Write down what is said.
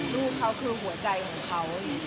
ลูกเขาคือหัวใจของเขา